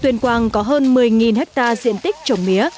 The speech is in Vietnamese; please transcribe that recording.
tuyên quang có hơn một mươi hectare diện tích trồng mía